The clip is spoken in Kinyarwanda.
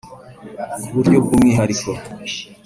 ku buryo bw’umwihariko